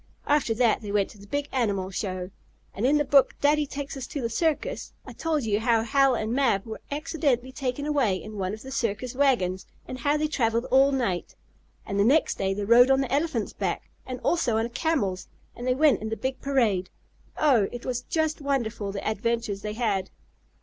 After that they went to the big animal show. And in the book "Daddy Takes Us to the Circus," I told you how Hal and Mab were accidentally taken away in one of the circus wagons, and how they traveled all night. And the next day they rode on the elephant's back, and also on a camel's and they went in the big parade. Oh! it was just wonderful the adventures they had!